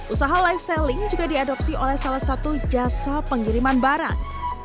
usaha live selling juga diadopsi oleh salah satu jasa pengiriman barang